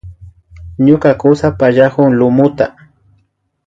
Ñuka kusa pallakun lumuta